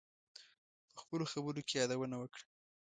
په خپلو خبرو کې یادونه وکړه.